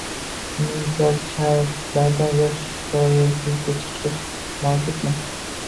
unda imtiyozli shartlarda yoshga doir pensiyaga chiqish huquqi mavjudmi?